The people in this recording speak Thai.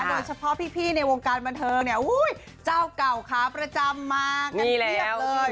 โดยเฉพาะพี่ในวงการบันเทิงเนี่ยเจ้าเก่าขาประจำมากันเพียบเลย